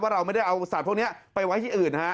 เราไม่ได้เอาสัตว์พวกนี้ไปไว้ที่อื่นฮะ